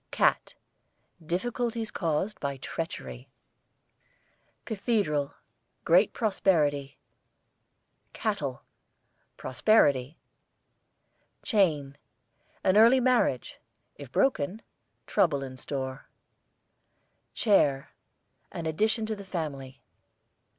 CAT, difficulties caused by treachery. CATHEDRAL, great prosperity. CATTLE, prosperity. CHAIN, an early marriage; if broken, trouble in store. CHAIR, an addition to the family.